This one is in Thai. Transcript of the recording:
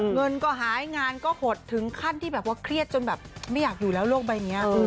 เงินก็หายงานก็หดถึงขั้นที่แบบว่าเครียดจนแบบไม่อยากอยู่แล้วโลกใบนี้